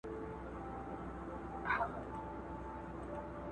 مشرانو د ځوانانو پوښتنو ته ځواب ورنه کړ.